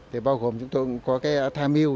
thì bao gồm chúng tôi có cái tham yêu